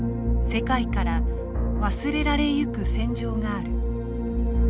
世界から忘れられゆく戦場がある。